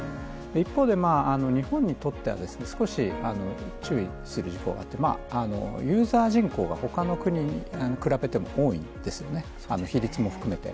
一方で、日本にとっては少し注意する事項があってユーザー人口が他の国に比べても多いんですよね、比率も含めて。